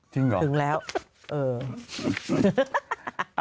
ถึงหรอแล้วเออ